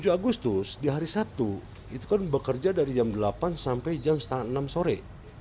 tujuh agustus di hari sabtu itu kan bekerja dari jam delapan sampai jam setengah enam sore